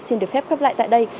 xin được phép khắp lại tại đây